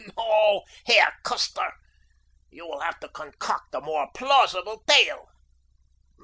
No, Herr Custer, you will have to concoct a more plausible tale.